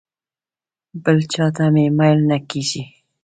بل چاته مې میل نه کېږي.